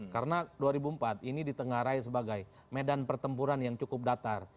karena dua ribu empat ini ditengah raya sebagai medan pertempuran yang cukup datar